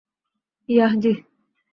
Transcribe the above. Yeah, জি।